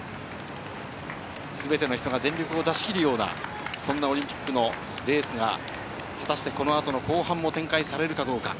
すべての人が全力を出し切るようなそんなオリンピックのレースが、果たしてこの後の後半も展開されるかどうか。